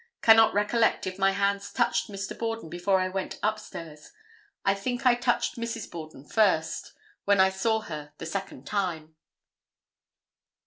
Cannot recollect if my hands touched Mr. Borden before I went up stairs: I think I touched Mrs. Borden first, when I saw her the second time."